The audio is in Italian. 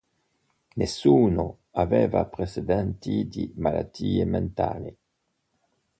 Nessuno aveva precedenti di malattie mentali.